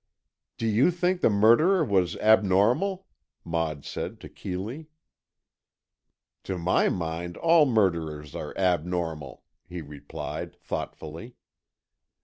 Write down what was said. "Do you think the murderer was abnormal?" Maud said to Keeley. "To my mind all murderers are abnormal," he replied, thoughtfully.